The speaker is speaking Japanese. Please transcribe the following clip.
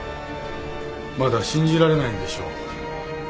まだ信じられないんでしょう。